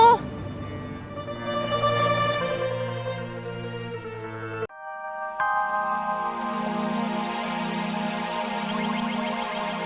tidak ada hubungan